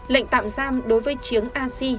lệnh tạm giam đối với chiếng a si